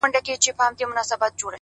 لږه توده سومه زه،